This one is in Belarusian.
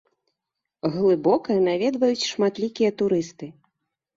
Глыбокае наведваюць шматлікія турысты!